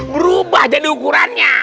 berubah jadi ukurannya